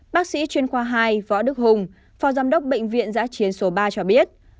bác sĩ chuyên khoa hai võ đức hùng phó giám đốc bệnh viện giã chiến số ba cho biết